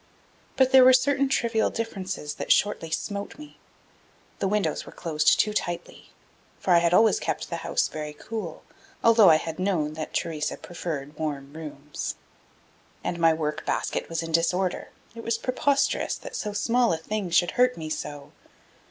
But there were certain trivial differences that shortly smote me. The windows were closed too tightly; for I had always kept the house very cool, although I had known that Theresa preferred warm rooms. And my work basket was in disorder; it was preposterous that so small a thing should hurt me so.